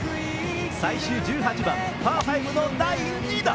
最終１８番、パー５の第２打。